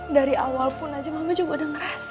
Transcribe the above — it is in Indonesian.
dari awal pun aja mama juga udah ngerasa